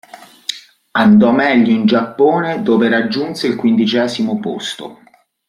Andò meglio in Giappone dove raggiunse il quindicesimo posto.